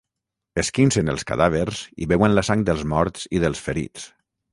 Esquincen els cadàvers i beuen la sang dels morts i dels ferits.